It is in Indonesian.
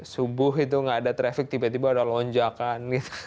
subuh itu nggak ada traffic tiba tiba ada lonjakan